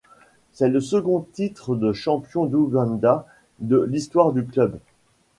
C'est le second titre de champion d'Ouganda de l'histoire du club.